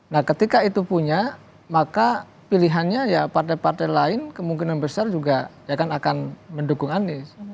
nah ketika itu punya maka pilihannya ya partai partai lain kemungkinan besar juga ya kan akan mendukung anies